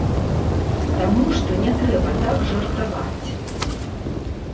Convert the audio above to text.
Таму што не трэба так жартаваць.